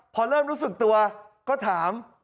พอเริ่มรู้สึกตัวก็ถาม